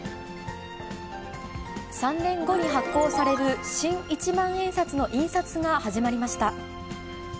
３年後に発行される新一万円札の印刷が始まりました。